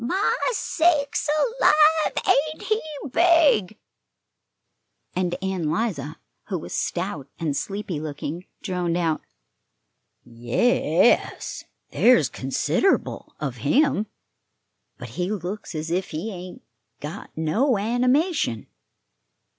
My sakes alive, ain't he big!" And Ann 'Liza, who was stout and sleepy looking, droned out: "Ye es, there's consider'ble of him; but he looks as if he ain't got no animation."